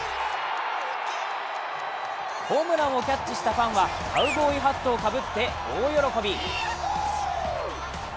ホームランをキャッチしたファンはカウボーイハットをかぶって大喜び。